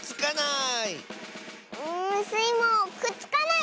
んスイもくっつかない！